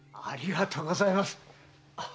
ありがとうございます。